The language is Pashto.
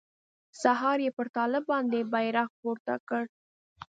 سهار يې پر طالب باندې بيرغ پورته کړ.